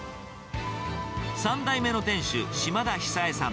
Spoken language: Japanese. ３代目の店主、嶋田久栄さん。